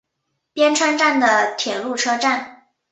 边川站的铁路车站。